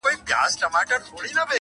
• هغې ته تېر ياد راځي ناڅاپه..